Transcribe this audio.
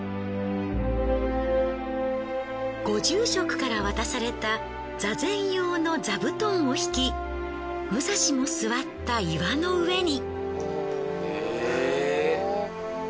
ご住職から渡された座禅用の座布団を敷き武蔵も座った岩の上に。